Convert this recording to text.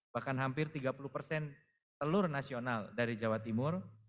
bahkan hampir tiga puluh persen telur nasional dari jawa timur